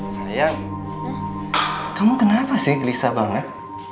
saya kamu kenapa sih gelisah banget